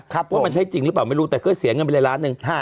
ว่ามันใช้จริงหรือเปล่าไม่รู้แต่ก็เสียเงินไปเลยล้านหนึ่ง